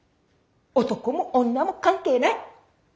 男も女も関係ない。